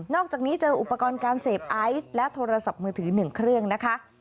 อกจากนี้เจออุปกรณ์การเสพไอซ์และโทรศัพท์มือถือ๑เครื่องนะคะ